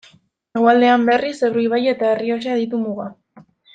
Hegoaldean, berriz, Ebro ibaia eta Errioxa ditu muga.